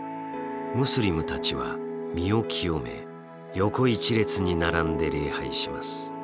ムスリムたちは身を清め横一列に並んで礼拝します。